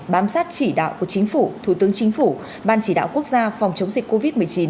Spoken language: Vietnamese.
bám sát chỉ đạo của chính phủ thủ tướng chính phủ ban chỉ đạo quốc gia phòng chống dịch covid một mươi chín